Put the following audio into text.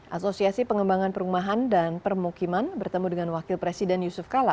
asosiasi pengembangan perumahan dan permukiman bertemu dengan wakil presiden yusuf kala